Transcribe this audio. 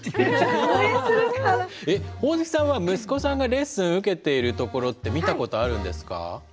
ホオズキさんは息子さんがレッスン受けているところって見たことあるんですか？